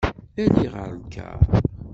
Ali ɣer lkar.